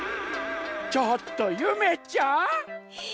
ちょっとゆめちゃん！？